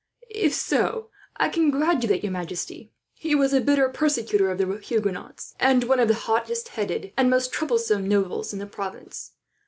"If so, I congratulate your majesty. He was a bitter persecutor of the Huguenots, and one of the hottest headed and most troublesome nobles in the province.